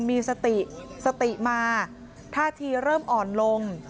มีสติสติมาท่าทีเริ่มอ่อนลง